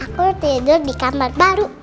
aku tidur di kamar baru